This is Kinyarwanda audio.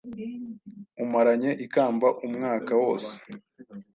umaranye ikamba umwaka wose